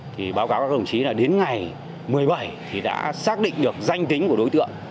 thì báo cáo các đồng chí là đến ngày một mươi bảy thì đã xác định được danh tính của đối tượng